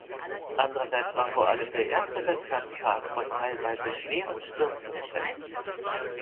Andererseits war vor allem der erste Wettkampftag von teilweise schweren Stürzen geprägt.